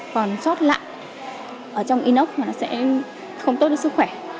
còn sót lặn ở trong inox nó sẽ không tốt cho sức khỏe